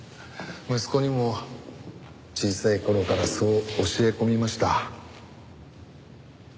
息子にも小さい頃からそう教え込みました。